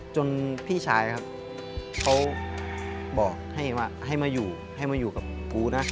จนพี่ชายเขาบอกให้มาอยู่กับกูนะ